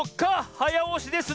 はやおしです。